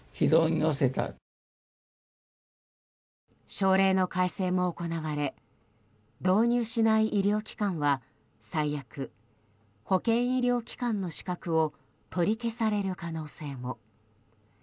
省令の改正も行われ導入しない医療機関は最悪、保健医療機関の資格を取り消される可能性も。